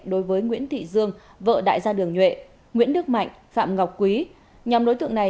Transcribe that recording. đối với nguyễn thị dương vợ đại gia đường nhuệ nguyễn đức mạnh phạm ngọc quý nhóm đối tượng này